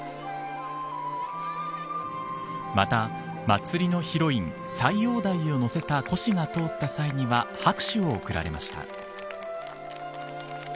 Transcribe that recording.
また、祭りのヒロイン斎王代を乗せた輿が通った際には拍手を送られました。